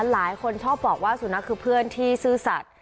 หลายคนชอบบอกว่าสุนัขคือเพื่อนที่ซื่อสัตว